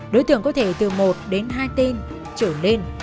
đối tượng có thể từ một đến hai tên trở lên